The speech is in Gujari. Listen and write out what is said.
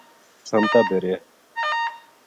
کچر سامتا بے رہیا